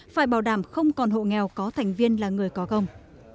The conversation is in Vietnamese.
phải bảo đảm không còn hộ nghèo có thành viên là người có gồng